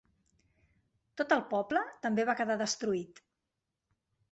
Tot el poble també va quedar destruït.